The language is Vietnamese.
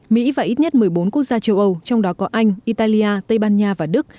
mỹ và ít nhất một mươi bốn quốc gia châu âu trong đó có anh italia tây ban nha và đức